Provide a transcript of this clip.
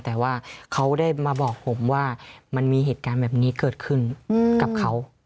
แต่ว่าเขาได้มาบอกผมว่ามันมีเหตุการณ์แบบนี้เกิดขึ้นกับเขา